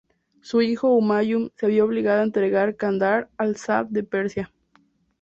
Su hijo Humayun se vio obligado a entregar Kandahar al Shah de Persia.